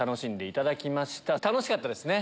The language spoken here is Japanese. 楽しかったですね。